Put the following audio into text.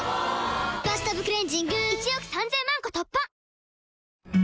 「バスタブクレンジング」１億３０００万個突破！